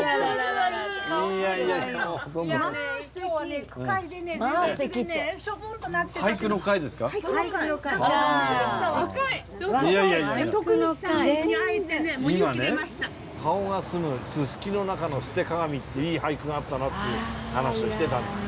「貌が棲む芒の中の捨て鏡」っていい俳句があったなっていう話をしてたんですよ。